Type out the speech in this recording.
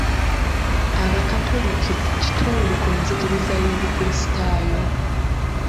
Abakatoliki kitundu ku nzikiriza y'obukrisitaayo.